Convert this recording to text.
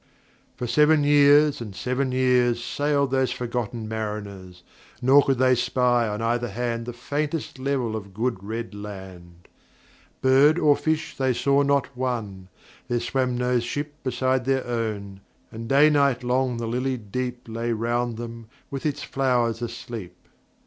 For seven years and seven years Sailed those forgotten mariners, Nor could they spy on either hand The faintest level of good red land. Bird or fish they saw not one; There swam no ship beside their own, And day night long the lilied Deep Lay round them, with its flowers asleep.